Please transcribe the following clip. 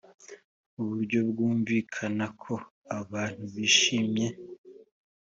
mu buryo bwumvikana ko abantu bishimye